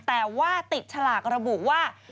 แต่ว่าติดฉลากระบุว่า